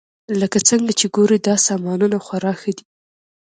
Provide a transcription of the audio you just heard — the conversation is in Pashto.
لکه څنګه چې ګورئ دا سامانونه خورا ښه دي